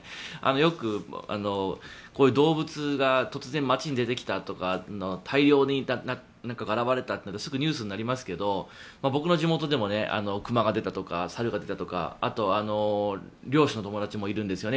よくこういう動物が突然、街に出てきたとか大量に現れたとかってすぐニュースになりますが僕の地元でも熊が出たとか猿が出たとかあと、猟師の友達もいるんですよね。